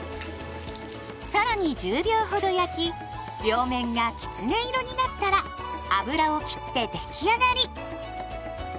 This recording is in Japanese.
さらに１０秒ほど焼き両面がきつね色になったら油を切って出来上がり。